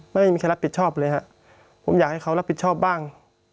ไม่มีใครรับผิดชอบเลยฮะผมอยากให้เขารับผิดชอบบ้าง